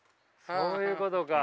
そういうことか。